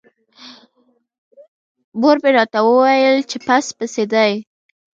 مور مې راته وویل چې پس پسي دی.